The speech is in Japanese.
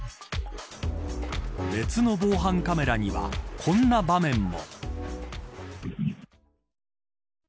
別の防犯カメラにはこんな場面も。